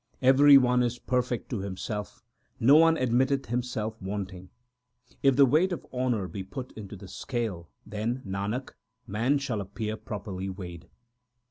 Every one is perfect to himself : no one admitteth himself wanting. If the weight of honour be put into the scale, then, Nanak, man shall appear properly weighed.